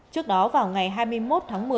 trước đó vào ngày hai mươi một tháng một